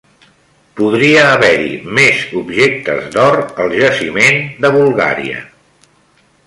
Podria haver-hi més objectes d'or al jaciment de Bulgària